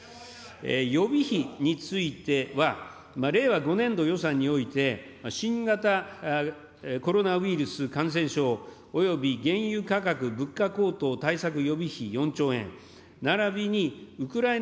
予備費については、令和５年度予算において、新型コロナウイルス感染症および原油価格、物価高騰対策、ならびにウクライナ